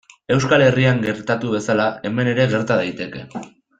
Euskal Herrian gertatu bezala, hemen ere gerta daiteke.